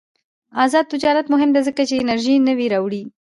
آزاد تجارت مهم دی ځکه چې انرژي نوې راوړي.